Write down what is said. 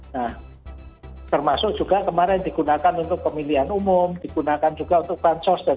nah termasuk juga kemarin digunakan untuk pemilihan umum digunakan juga untuk bansos